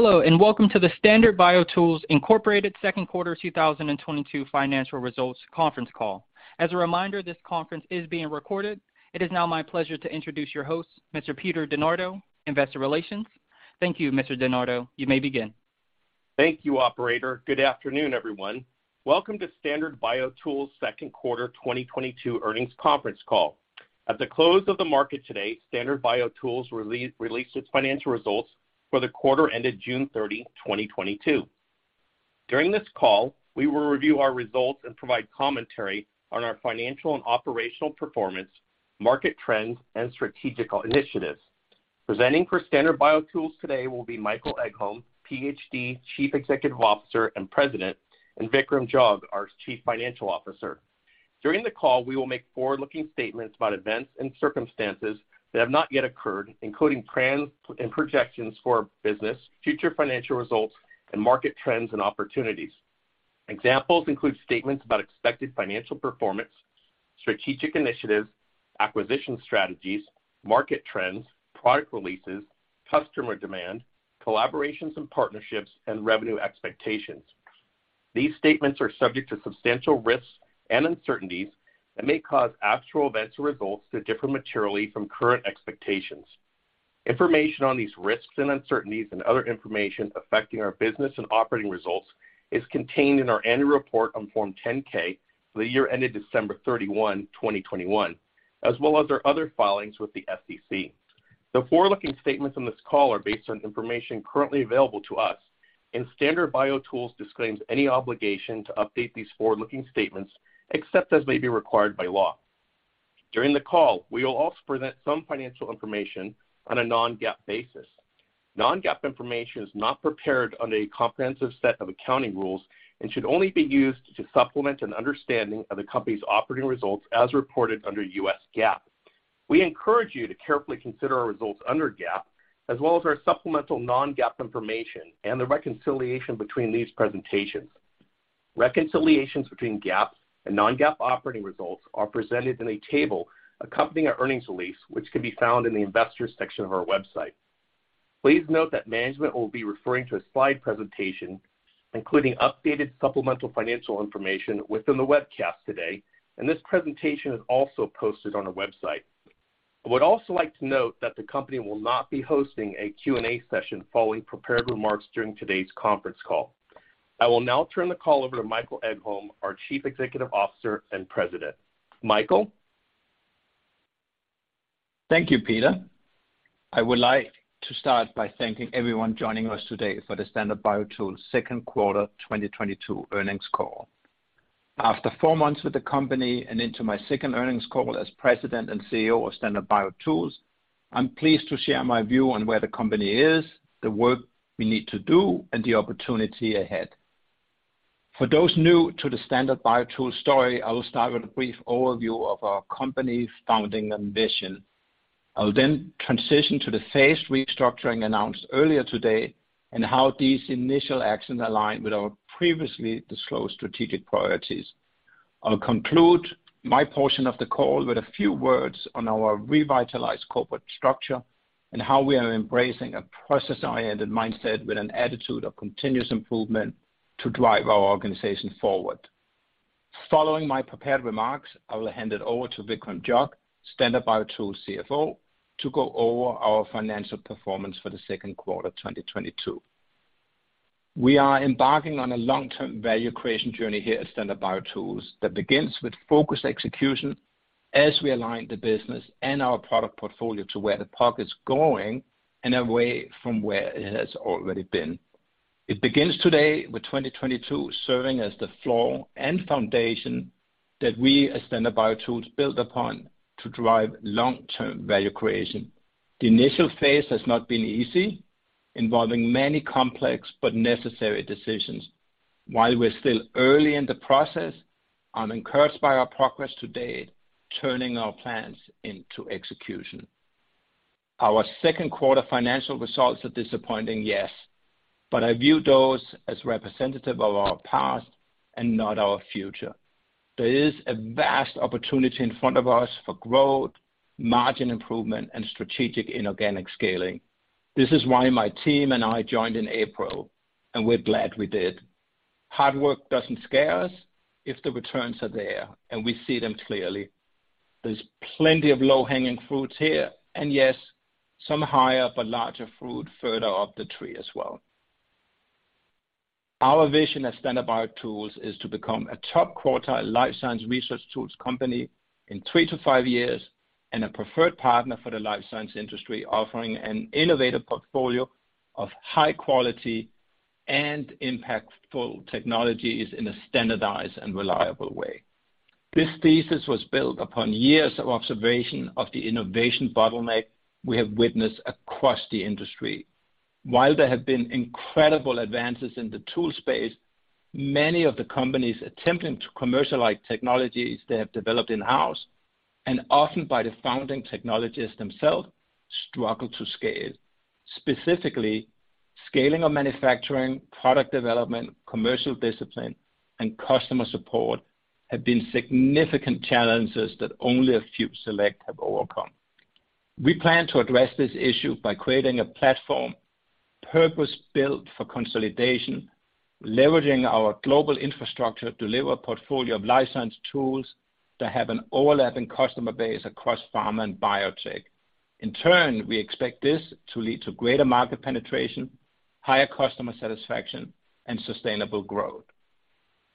Hello, and welcome to the Standard BioTools Incorporated's Second Quarter 2022 Financial Results Conference Call. As a reminder, this conference is being recorded. It is now my pleasure to introduce your host, Mr. Peter DeNardo, Investor Relations. Thank you, Mr. DeNardo. You may begin. Thank you, operator. Good afternoon, everyone. Welcome to Standard BioTools' Second Quarter 2022 Earnings Conference Call. At the close of the market today, Standard BioTools released its financial results for the quarter ended June 30, 2022. During this call, we will review our results and provide commentary on our financial and operational performance, market trends, and strategical initiatives. Presenting for Standard BioTools today will be Michael Egholm, PhD, Chief Executive Officer and President, and Vikram Jog, our Chief Financial Officer. During the call, we will make forward-looking statements about events and circumstances that have not yet occurred, including plans and projections for our business, future financial results, and market trends and opportunities. Examples include statements about expected financial performance, strategic initiatives, acquisition strategies, market trends, product releases, customer demand, collaborations and partnerships, and revenue expectations. These statements are subject to substantial risks and uncertainties that may cause actual events or results to differ materially from current expectations. Information on these risks and uncertainties and other information affecting our business and operating results is contained in our annual report on Form 10-K for the year ended December 31, 2021, as well as our other filings with the SEC. The forward-looking statements on this call are based on information currently available to us, and Standard BioTools disclaims any obligation to update these forward-looking statements except as may be required by law. During the call, we will also present some financial information on a non-GAAP basis. Non-GAAP information is not prepared on a comprehensive set of accounting rules and should only be used to supplement an understanding of the company's operating results as reported under U.S. GAAP. We encourage you to carefully consider our results under GAAP as well as our supplemental non-GAAP information and the reconciliation between these presentations. Reconciliations between GAAP and non-GAAP operating results are presented in a table accompanying our earnings release, which can be found in the investors section of our website. Please note that management will be referring to a slide presentation, including updated supplemental financial information within the webcast today, and this presentation is also posted on our website. I would also like to note that the company will not be hosting a Q&A session following prepared remarks during today's conference call. I will now turn the call over to Michael Egholm, our Chief Executive Officer and President. Michael? Thank you, Peter. I would like to start by thanking everyone joining us today for the Standard BioTools second quarter 2022 earnings call. After four months with the company and into my second earnings call as President and CEO of Standard BioTools, I'm pleased to share my view on where the company is, the work we need to do, and the opportunity ahead. For those new to the Standard BioTools story, I will start with a brief overview of our company's founding and vision. I will then transition to the phase restructuring announced earlier today and how these initial actions align with our previously disclosed strategic priorities. I'll conclude my portion of the call with a few words on our revitalized corporate structure and how we are embracing a process-oriented mindset with an attitude of continuous improvement to drive our organization forward. Following my prepared remarks, I will hand it over to Vikram Jog, Standard BioTools' CFO, to go over our financial performance for the second quarter 2022. We are embarking on a long-term value creation journey here at Standard BioTools that begins with focused execution as we align the business and our product portfolio to where the puck is going and away from where it has already been. It begins today with 2022 serving as the floor and foundation that we as Standard BioTools build upon to drive long-term value creation. The initial phase has not been easy, involving many complex but necessary decisions. While we're still early in the process, I'm encouraged by our progress to date, turning our plans into execution. Our second quarter financial results are disappointing, yes, but I view those as representative of our past and not our future. There is a vast opportunity in front of us for growth, margin improvement, and strategic inorganic scaling. This is why my team and I joined in April, and we're glad we did. Hard work doesn't scare us if the returns are there, and we see them clearly. There's plenty of low-hanging fruits here, and yes, some higher but larger fruit further up the tree as well. Our vision at Standard BioTools is to become a top quartile life science research tools company in three to five years and a preferred partner for the life science industry, offering an innovative portfolio of high-quality and impactful technologies in a standardized and reliable way. This thesis was built upon years of observation of the innovation bottleneck we have witnessed across the industry. While there have been incredible advances in the tool space, many of the companies attempting to commercialize technologies they have developed in-house, and often by the founding technologists themselves, struggle to scale. Specifically, scaling of manufacturing, product development, commercial discipline, and customer support have been significant challenges that only a few select have overcome. We plan to address this issue by creating a platform purpose-built for consolidation, leveraging our global infrastructure to deliver a portfolio of licensed tools that have an overlapping customer base across pharma and biotech. In turn, we expect this to lead to greater market penetration, higher customer satisfaction, and sustainable growth.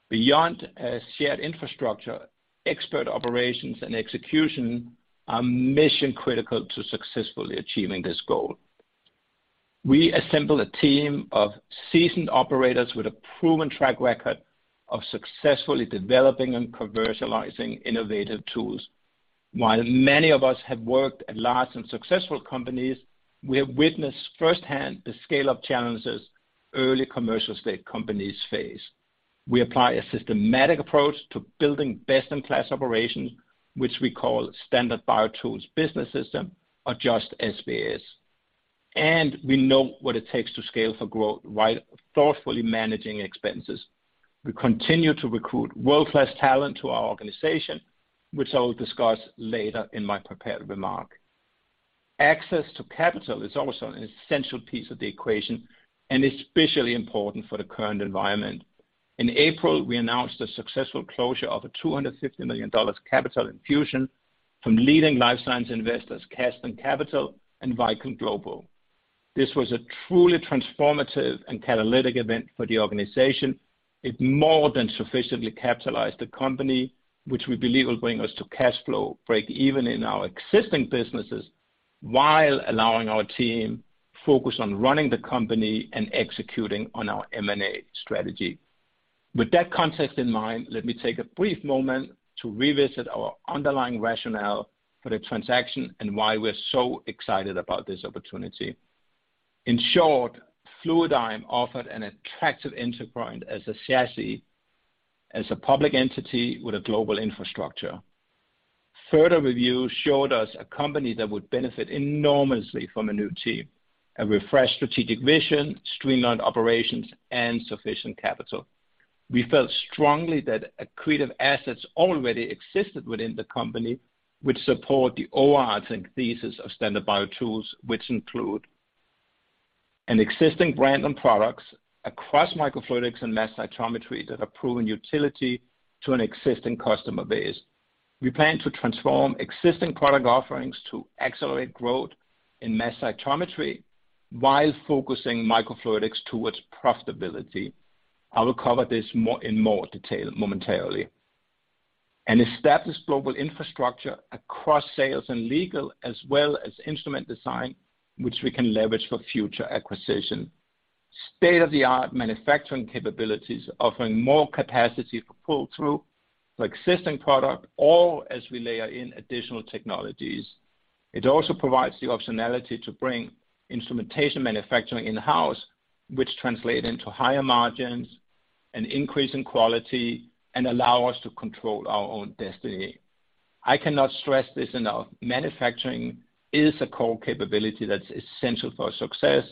Beyond a shared infrastructure, expert operations and execution are mission-critical to successfully achieving this goal. We assemble a team of seasoned operators with a proven track record of successfully developing and commercializing innovative tools. While many of us have worked at large and successful companies, we have witnessed firsthand the scale of challenges early commercial-stage companies face. We apply a systematic approach to building best-in-class operations, which we call Standard BioTools Business System or just SBS. We know what it takes to scale for growth while thoughtfully managing expenses. We continue to recruit world-class talent to our organization, which I will discuss later in my prepared remark. Access to capital is also an essential piece of the equation and especially important for the current environment. In April, we announced the successful closure of a $250 million capital infusion from leading life science investors, Casdin Capital and Viking Global Investors. This was a truly transformative and catalytic event for the organization. It more than sufficiently capitalized the company, which we believe will bring us to cash flow break even in our existing businesses while allowing our team focus on running the company and executing on our M&A strategy. With that context in mind, let me take a brief moment to revisit our underlying rationale for the transaction and why we're so excited about this opportunity. In short, Fluidigm offered an attractive entry point as a chassis, as a public entity with a global infrastructure. Further review showed us a company that would benefit enormously from a new team, a refreshed strategic vision, streamlined operations, and sufficient capital. We felt strongly that accretive assets already existed within the company, which support the overarching thesis of Standard BioTools, which include an existing brand and products across microfluidics and mass cytometry that have proven utility to an existing customer base. We plan to transform existing product offerings to accelerate growth in mass cytometry while focusing microfluidics towards profitability. I will cover this in more detail momentarily. An established global infrastructure across sales and legal, as well as instrument design, which we can leverage for future acquisition. State-of-the-art manufacturing capabilities offering more capacity for pull-through for existing product or as we layer in additional technologies. It also provides the optionality to bring instrumentation manufacturing in-house, which translate into higher margins, an increase in quality, and allow us to control our own destiny. I cannot stress this enough. Manufacturing is a core capability that's essential for success,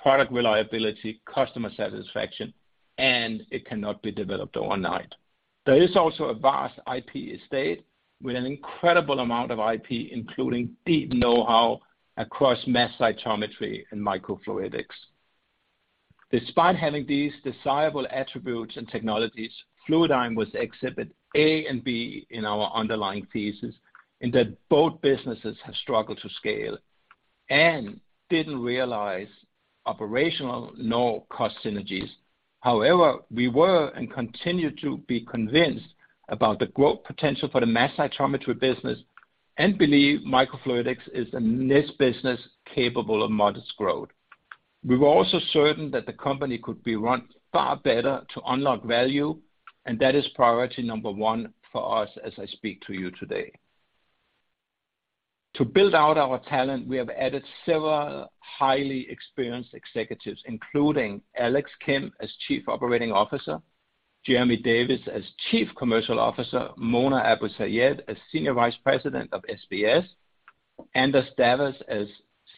product reliability, customer satisfaction, and it cannot be developed overnight. There is also a vast IP estate with an incredible amount of IP, including deep know-how across mass cytometry and microfluidics. Despite having these desirable attributes and technologies, Fluidigm was Exhibits A and B in our underlying thesis in that both businesses have struggled to scale and didn't realize operational nor cost synergies. However, we were and continue to be convinced about the growth potential for the mass cytometry business and believe microfluidics is a niche business capable of modest growth. We were also certain that the company could be run far better to unlock value, and that is priority number one for us as I speak to you today. To build out our talent, we have added several highly experienced executives, including Alex Kim as Chief Operating Officer, Jeremy Davis as Chief Commercial Officer, Mona Abou-Sayed as Senior Vice President of SBS, Anders Davas as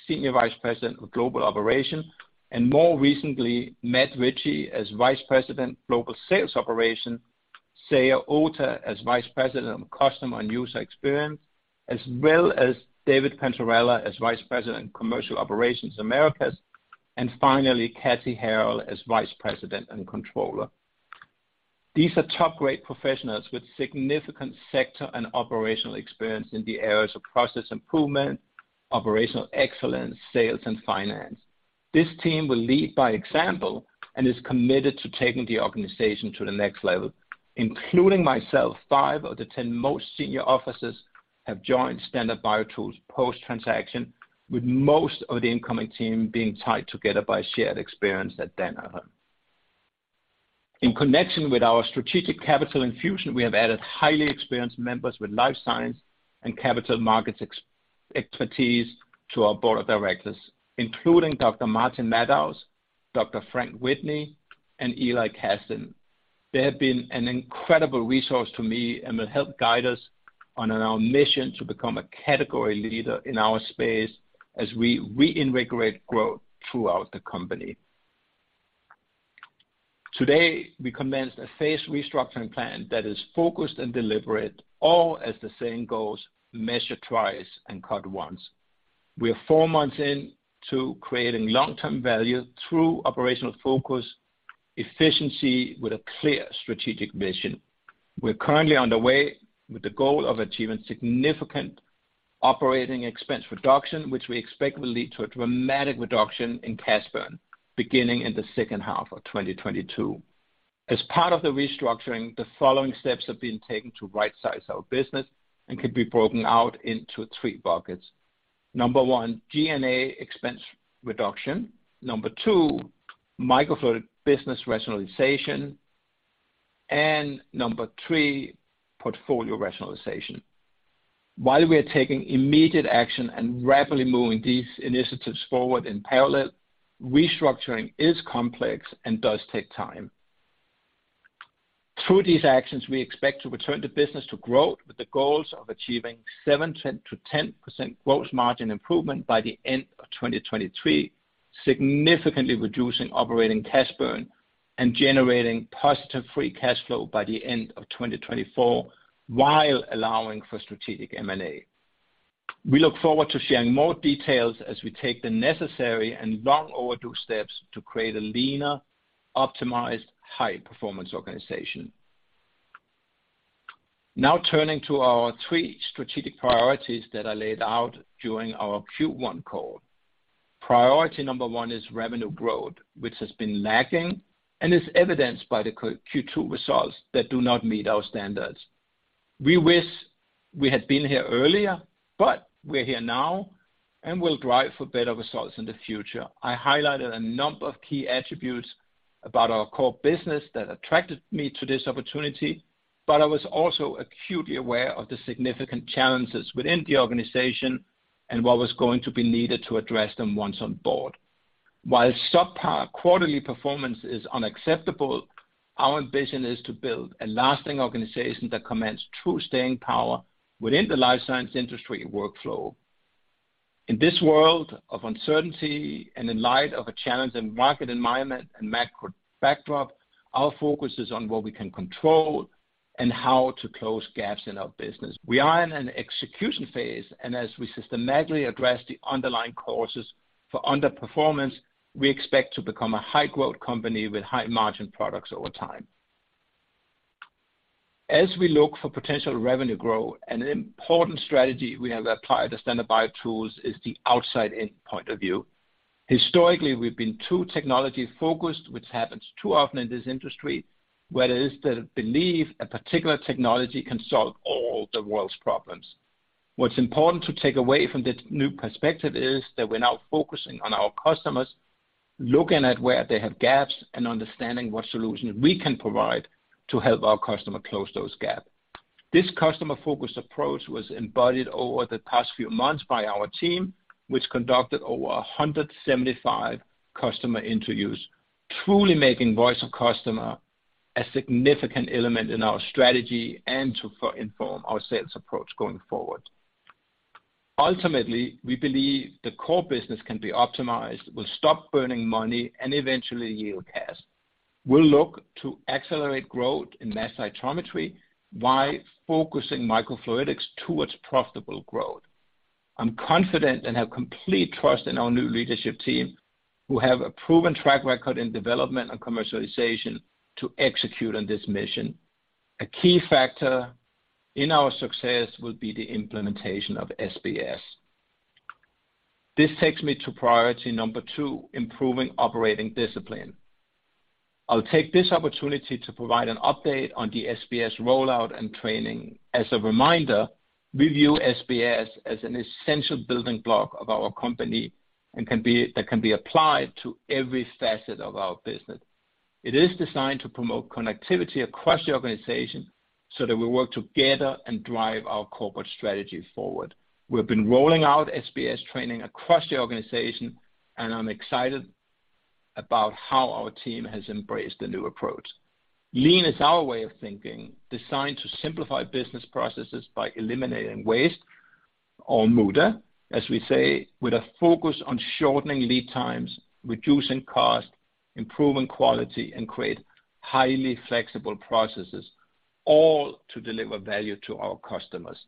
Senior Vice President of Global Operations, and more recently, Matt Ritchie as Vice President, Global Sales Operations, Seiya Ota as Vice President of Customer and User Experience, as well as David Panzarella as Vice President, Commercial Operations – Americas, and finally, Kathy Harrell as Vice President and Controller. These are top-grade professionals with significant sector and operational experience in the areas of process improvement, operational excellence, sales, and finance. This team will lead by example and is committed to taking the organization to the next level. Including myself, five of the ten most senior officers have joined Standard BioTools post-transaction, with most of the incoming team being tied together by shared experience at Danaher. In connection with our strategic capital infusion, we have added highly experienced members with life science and capital markets expertise to our board of directors, including Dr. Martin Madaus, Dr. Frank Witney, and Eli Casdin. They have been an incredible resource to me and will help guide us on our mission to become a category leader in our space as we reinvigorate growth throughout the company. Today, we commenced a phase restructuring plan that is focused and deliberate, all as the saying goes, measure twice, and cut once. We are four months into creating long-term value through operational focus, efficiency, with a clear strategic vision. We're currently underway with the goal of achieving significant operating expense reduction, which we expect will lead to a dramatic reduction in cash burn beginning in the second half of 2022. As part of the restructuring, the following steps have been taken to rightsize our business and can be broken out into three buckets. Number one, G&A expense reduction. Number two, microfluidic business rationalization. Number three, portfolio rationalization. While we are taking immediate action and rapidly moving these initiatives forward in parallel, restructuring is complex and does take time. Through these actions, we expect to return the business to growth with the goals of achieving 7%-10% growth margin improvement by the end of 2023, significantly reducing operating cash burn and generating positive free cash flow by the end of 2024, while allowing for strategic M&A. We look forward to sharing more details as we take the necessary and long overdue steps to create a leaner, optimized, high-performance organization. Now turning to our three strategic priorities that I laid out during our Q1 call. Priority number one is revenue growth, which has been lagging and is evidenced by the Q2 results that do not meet our standards. We wish we had been here earlier, but we're here now, and we'll drive for better results in the future. I highlighted a number of key attributes about our core business that attracted me to this opportunity, but I was also acutely aware of the significant challenges within the organization and what was going to be needed to address them once on board. While subpar quarterly performance is unacceptable, our ambition is to build a lasting organization that commands true staying power within the life science industry workflow. In this world of uncertainty and in light of a challenging market environment and macro backdrop, our focus is on what we can control and how to close gaps in our business. We are in an execution phase, and as we systematically address the underlying causes for underperformance, we expect to become a high-growth company with high-margin products over time. As we look for potential revenue growth, an important strategy we have applied to Standard BioTools is the outside-in point of view. Historically, we've been too technology-focused, which happens too often in this industry, where there is the belief a particular technology can solve all the world's problems. What's important to take away from this new perspective is that we're now focusing on our customers, looking at where they have gaps, and understanding what solution we can provide to help our customer close those gaps. This customer-focused approach was embodied over the past few months by our team, which conducted over 175 customer interviews, truly making voice of customer a significant element in our strategy and to further inform our sales approach going forward. Ultimately, we believe the core business can be optimized, will stop burning money, and eventually yield cash. We'll look to accelerate growth in mass cytometry while focusing microfluidics towards profitable growth. I'm confident and have complete trust in our new leadership team who have a proven track record in development and commercialization to execute on this mission. A key factor in our success will be the implementation of SBS. This takes me to priority number two, improving operating discipline. I'll take this opportunity to provide an update on the SBS rollout and training. As a reminder, we view SBS as an essential building block of our company and that can be applied to every facet of our business. It is designed to promote connectivity across the organization so that we work together and drive our corporate strategy forward. We've been rolling out SBS training across the organization, and I'm excited about how our team has embraced the new approach. Lean is our way of thinking, designed to simplify business processes by eliminating waste, or muda, as we say, with a focus on shortening lead times, reducing cost, improving quality, and create highly flexible processes, all to deliver value to our customers.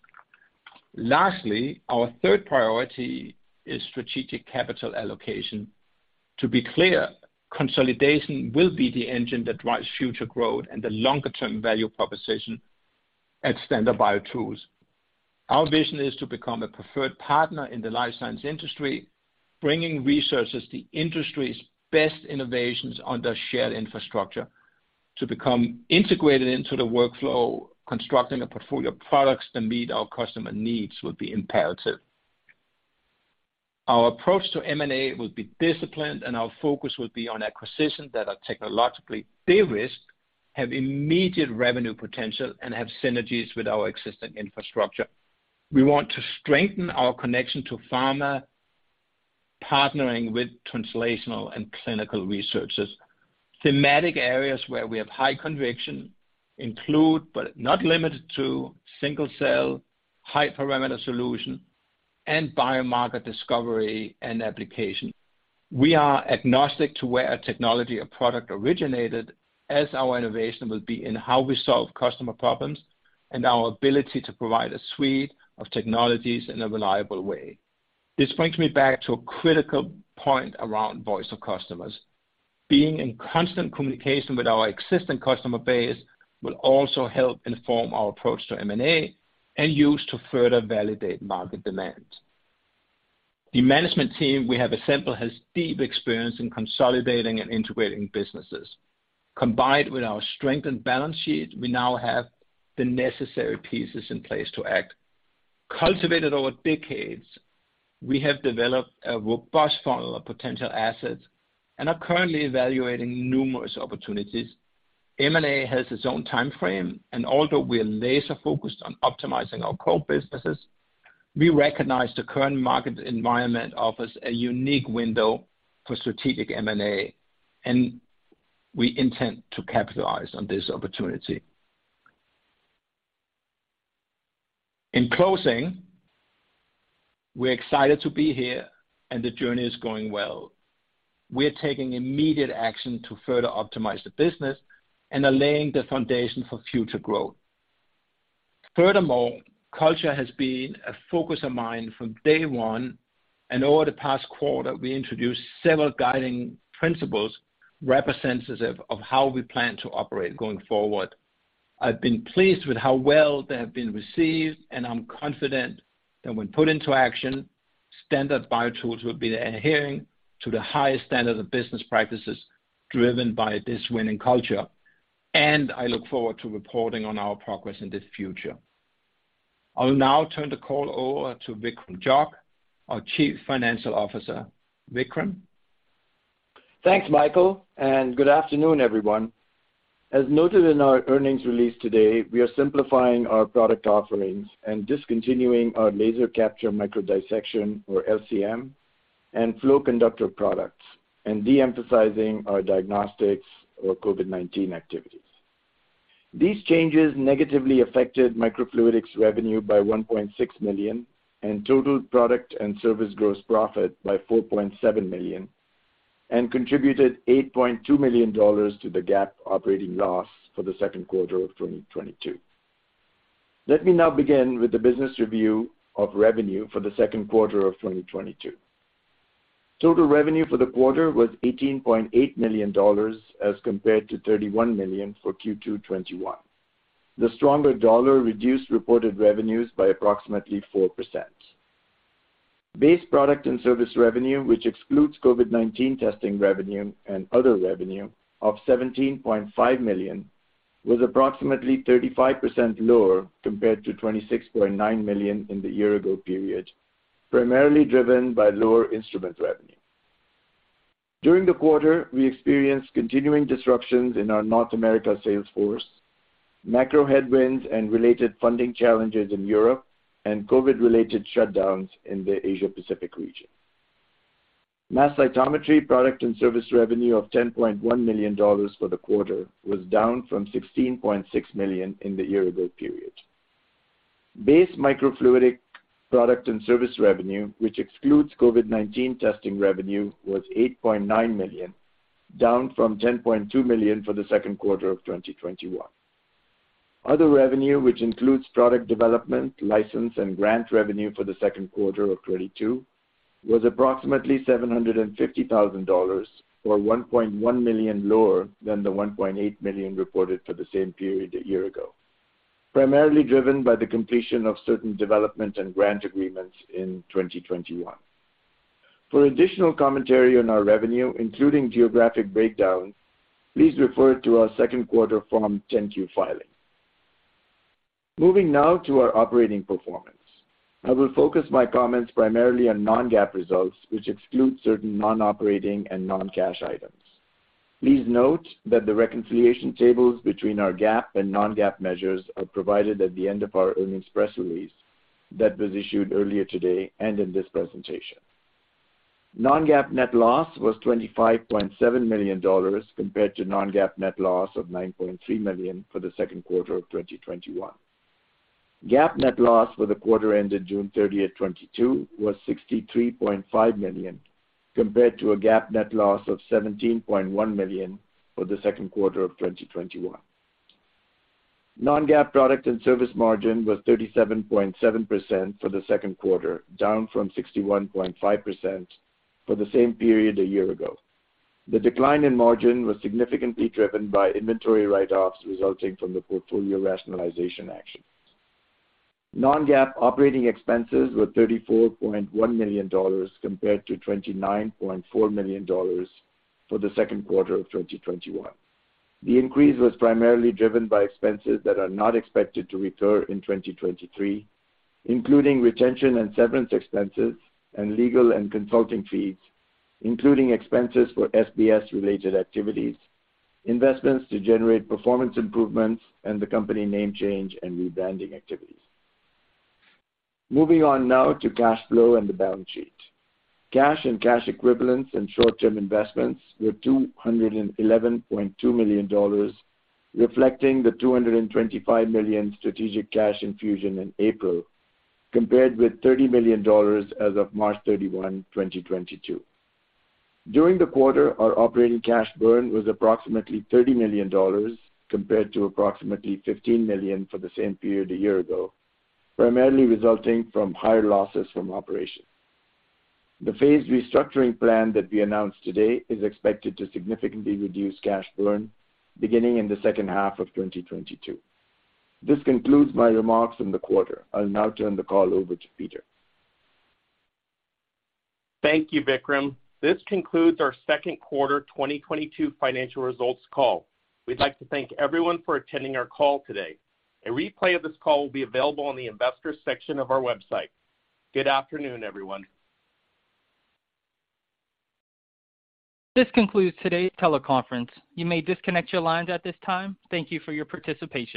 Lastly, our third priority is strategic capital allocation. To be clear, consolidation will be the engine that drives future growth and the longer-term value proposition at Standard BioTools. Our vision is to become a preferred partner in the life science industry, bringing researchers the industry's best innovations under shared infrastructure. To become integrated into the workflow, constructing a portfolio of products that meet our customer needs will be imperative. Our approach to M&A will be disciplined, and our focus will be on acquisitions that are technologically de-risked, have immediate revenue potential, and have synergies with our existing infrastructure. We want to strengthen our connection to pharma, partnering with translational and clinical researchers. Thematic areas where we have high conviction include, but are not limited to, single-cell, high-parameter solutions and biomarker discovery and application. We are agnostic to where a technology or product originated, as our innovation will be in how we solve customer problems and our ability to provide a suite of technologies in a reliable way. This brings me back to a critical point around voice of customers. Being in constant communication with our existing customer base will also help inform our approach to M&A and use to further validate market demands. The management team we have assembled has deep experience in consolidating and integrating businesses. Combined with our strong balance sheet, we now have the necessary pieces in place to act. Cultivated over decades, we have developed a robust funnel of potential assets and are currently evaluating numerous opportunities. M&A has its own time frame, and although we are laser-focused on optimizing our core businesses, we recognize the current market environment offers a unique window for strategic M&A, and we intend to capitalize on this opportunity. In closing, we're excited to be here, and the journey is going well. We're taking immediate action to further optimize the business and are laying the foundation for future growth. Furthermore, culture has been a focus of mine from day one, and over the past quarter, we introduced several guiding principles representative of how we plan to operate going forward. I've been pleased with how well they have been received, and I'm confident that when put into action, Standard BioTools will be adhering to the highest standard of business practices driven by this winning culture. I look forward to reporting on our progress in the future. I will now turn the call over to Vikram Jog, our Chief Financial Officer. Vikram? Thanks, Michael, and good afternoon, everyone. As noted in our earnings release today, we are simplifying our product offerings and discontinuing our laser capture microdissection, or LCM, and Flow Conductor products, and de-emphasizing our diagnostics or COVID-19 activities. These changes negatively affected microfluidics revenue by $1.6 million, and total product and service gross profit by $4.7 million, and contributed $8.2 million to the GAAP operating loss for the second quarter of 2022. Let me now begin with the business review of revenue for the second quarter of 2022. Total revenue for the quarter was $18.8 million, as compared to $31 million for Q2 2021. The stronger dollar reduced reported revenues by approximately 4%. Base product and service revenue, which excludes COVID-19 testing revenue and other revenue of $17.5 million, was approximately 35% lower compared to $26.9 million in the year ago period, primarily driven by lower instrument revenue. During the quarter, we experienced continuing disruptions in our North America sales force, macro headwinds and related funding challenges in Europe, and COVID-related shutdowns in the Asia-Pacific region. Mass cytometry product and service revenue of $10.1 million for the quarter was down from $16.6 million in the year ago period. Base microfluidic product and service revenue, which excludes COVID-19 testing revenue, was $8.9 million, down from $10.2 million for the second quarter of 2021. Other revenue, which includes product development, license, and grant revenue for the second quarter of 2022, was approximately $750,000, or $1.1 million lower than the $1.8 million reported for the same period a year ago, primarily driven by the completion of certain development and grant agreements in 2021. For additional commentary on our revenue, including geographic breakdown, please refer to our second quarter Form 10-Q filing. Moving now to our operating performance. I will focus my comments primarily on non-GAAP results, which excludes certain non-operating and non-cash items. Please note that the reconciliation tables between our GAAP and non-GAAP measures are provided at the end of our earnings press release that was issued earlier today and in this presentation. non-GAAP net loss was $25.7 million, compared to non-GAAP net loss of $9.3 million for the second quarter of 2021. GAAP net loss for the quarter ended June 30, 2022 was $63.5 million, compared to a GAAP net loss of $17.1 million for the second quarter of 2021. non-GAAP product and service margin was 37.7% for the second quarter, down from 61.5% for the same period a year ago. The decline in margin was significantly driven by inventory write-offs resulting from the portfolio rationalization actions. non-GAAP operating expenses were $34.1 million, compared to $29.4 million for the second quarter of 2021. The increase was primarily driven by expenses that are not expected to recur in 2023, including retention and severance expenses and legal and consulting fees, including expenses for SBS related activities, investments to generate performance improvements, and the company name change and rebranding activities. Moving on now to cash flow and the balance sheet. Cash and cash equivalents and short-term investments were $211.2 million, reflecting the $225 million strategic cash infusion in April, compared with $30 million as of March 31, 2022. During the quarter, our operating cash burn was approximately $30 million compared to approximately $15 million for the same period a year ago, primarily resulting from higher losses from operations. The phased restructuring plan that we announced today is expected to significantly reduce cash burn beginning in the second half of 2022. This concludes my remarks on the quarter. I'll now turn the call over to Peter. Thank you, Vikram. This concludes our second quarter 2022 financial results call. We'd like to thank everyone for attending our call today. A replay of this call will be available on the investors section of our website. Good afternoon, everyone. This concludes today's teleconference. You may disconnect your lines at this time. Thank you for your participation.